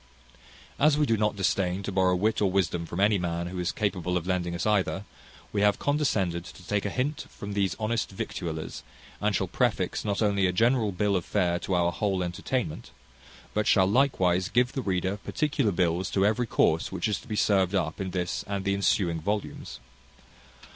As we do not disdain to borrow wit or wisdom from any man who is capable of lending us either, we have condescended to take a hint from these honest victuallers, and shall prefix not only a general bill of fare to our whole entertainment, but shall likewise give the reader particular bills to every course which is to be served up in this and the ensuing volumes.